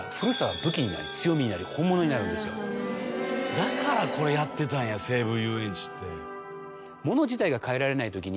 だからこれやってたんや西武園ゆうえんちって。